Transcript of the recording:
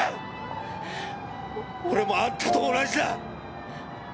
俺もあんたと同じだ。